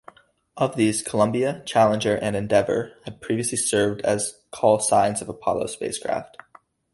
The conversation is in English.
Of these, "Columbia", "Challenger", and "Endeavour" had previously served as call-signs of Apollo spacecraft.